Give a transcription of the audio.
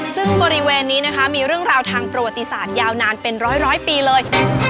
ซึ่งบริเวณนี้นะคะมีเรื่องราวทางประวัติศาสตร์ยาวนานเป็นร้อยปีเลย